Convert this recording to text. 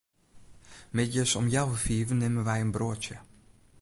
Middeis om healwei fiven nimme wy in broadsje.